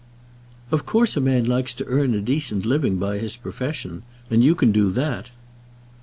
"Of course a man likes to earn a decent living by his profession; and you can do that."